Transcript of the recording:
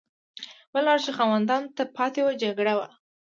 بله لار چې خاوندانو ته پاتې وه جګړه وه.